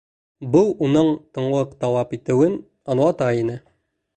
Был уның тынлыҡ талап итеүен аңлата ине.